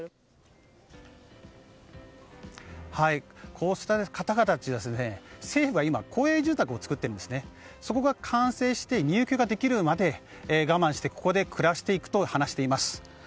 こうした方々は政府が今、公営住宅を作っているんですがそこが完成して入居ができるまで我慢してここで暮らしていくと話しています。